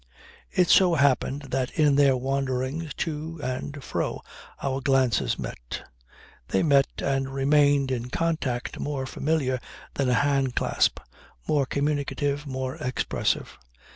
It so happened that in their wanderings to and fro our glances met. They met and remained in contact more familiar than a hand clasp, more communicative, more expressive.